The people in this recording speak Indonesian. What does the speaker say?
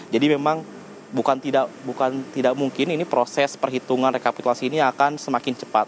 jadi memang bukan tidak mungkin ini proses perhitungan rekapitulasi ini akan semakin cepat